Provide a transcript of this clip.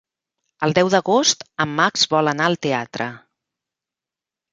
El deu d'agost en Max vol anar al teatre.